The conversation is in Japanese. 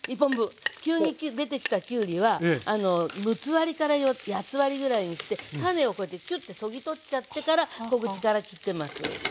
急に出てきたきゅうりは六つ割りから八つ割りぐらいにして種をこうやってチョッてそぎ取っちゃってから小口から切ってます。